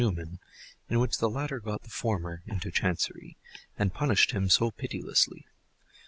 Newman, in which the latter got the former "into Chancery," and punished him so pitilessly.